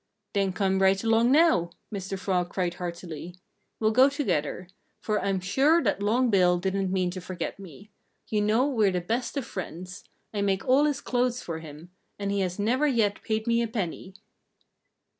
"Then come right along now!" Mr. Frog cried heartily. "We'll go together. For I'm sure that Long Bill didn't mean to forget me. You know we're the best of friends. I make all his clothes for him; and he has never yet paid me a penny."